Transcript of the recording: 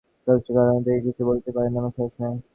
স্পষ্ট করিয়া তাহাকে কিছু বলিতে পারে এমন সাহস নাই।